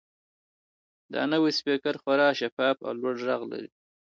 دا نوی سپیکر خورا شفاف او لوړ غږ لري.